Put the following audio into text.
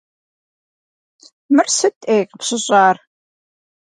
Мыр сыт, ӏей, къыпщыщӏар?